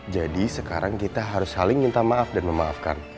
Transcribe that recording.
jadi sekarang kita harus saling minta maaf dan memaafkan